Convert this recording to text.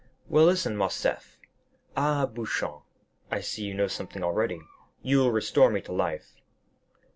"Well, listen, Morcerf." "Ah, Beauchamp, I see you know something already; you will restore me to life."